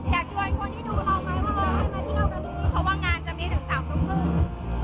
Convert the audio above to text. อยากช่วยคนที่ดูรอบรถไวมาที่เขากันที่นี่